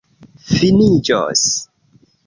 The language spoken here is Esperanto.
finiĝos